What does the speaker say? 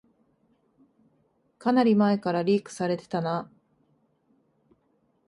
かなり前からリークされてたな